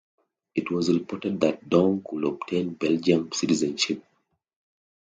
It was reported that Dong could obtain Belgian citizenship.